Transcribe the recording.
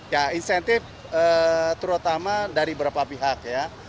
ya insentif terutama dari beberapa pihak ya